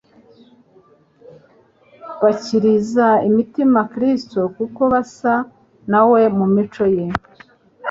Bakiriza imitima Kristo kuko basa na we mu mico ye.